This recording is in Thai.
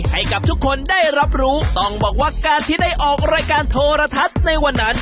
ให้กับทุกคนได้รับรู้ต้องบอกว่าการที่ได้ออกรายการโทรทัศน์ในวันนั้น